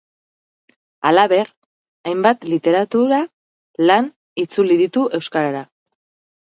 Halaber, hainbat literatura lan itzuli ditu euskarara.